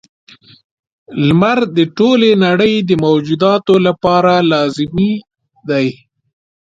• لمر د ټولې نړۍ د موجوداتو لپاره لازمي دی.